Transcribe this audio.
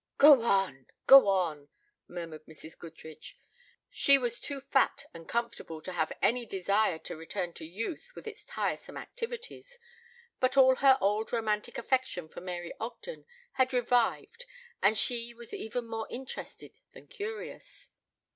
"Go on! Go on!" murmured Mrs. Goodrich. She was too fat and comfortable to have any desire to return to youth with its tiresome activities, but all her old romantic affection for Mary Ogden had revived and she was even more interested than curious.